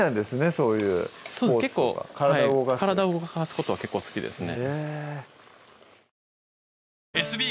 そういうスポーツとかそうですね結構体を動かすことは結構好きですね